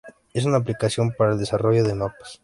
Es una aplicación para el desarrollo de mapas.